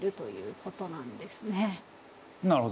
なるほど。